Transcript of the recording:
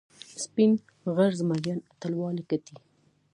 سپین غر زمریان اتلولي ګټي.